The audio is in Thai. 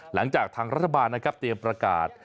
หลังจากทางรัฐบาลนะครับเตรียมประกาศ